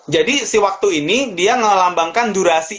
jadi si waktu ini dia ngelambangkan durasi